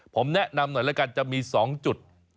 ผมแนะนำหน่อยจะมี๒จุด